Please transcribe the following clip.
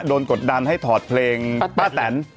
โดนกดดำให้ถอดเพลงป้าแต่น